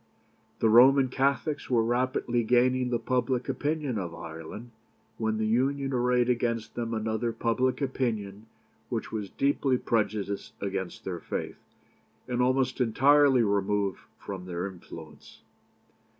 The Roman Catholics were rapidly gaining the public opinion of Ireland, when the Union arrayed against them another public opinion which was deeply prejudiced against their faith, and almost entirely removed from their influence.